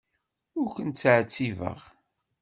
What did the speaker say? Ur ken-ttɛettibeɣ.